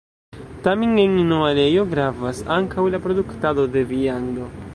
Tamen en Noalejo gravas ankaŭ la produktado de viando.